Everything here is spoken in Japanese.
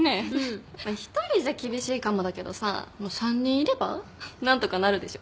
１人じゃ厳しいかもだけどさ３人いれば何とかなるでしょ。